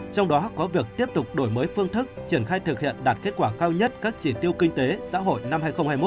trong đó có việc tiếp tục đổi mới phương thức triển khai thực hiện đạt kết quả cao nhất các chỉ tiêu kinh tế xã hội năm hai nghìn hai mươi một